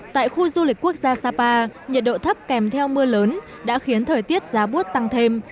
tại khu du lịch quốc gia sapa nhiệt độ thấp kèm theo mưa lớn đã khiến thời tiết giá bút tăng thêm